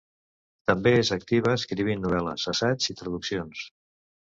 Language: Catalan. També és activa escrivint novel·les, assaigs i traduccions.